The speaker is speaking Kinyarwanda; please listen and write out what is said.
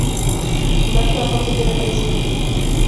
Ndashaka kugerageza ibi.